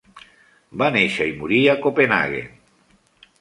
Va néixer i morir a Copenhagen.